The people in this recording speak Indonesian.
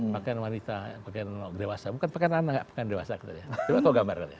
pake wanita pake dewasa bukan pake anak anak pake dewasa gitu ya coba kau gambar katanya